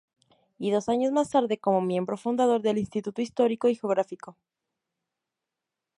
Y dos años más tarde, como miembro fundador del Instituto Histórico y Geográfico.